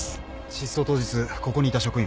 失踪当日ここにいた職員は？